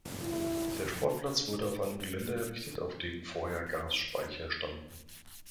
Der Sportplatz wurde auf einem Gelände errichtet, auf dem vorher Gasspeicher standen.